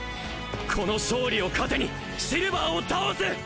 この勝利を糧にシルヴァーを倒す！